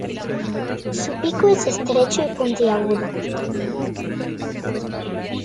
Su pico es estrecho y puntiagudo.